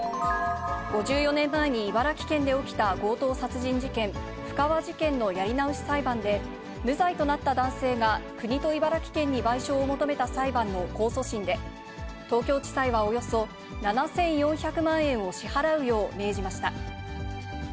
５４年前に茨城県で起きた強盗殺人事件、布川事件のやり直し裁判で、無罪となった男性が、国と茨城県に賠償を求めた裁判の控訴審で、東京地裁はおよそ７４００万円を支払うよう命じました。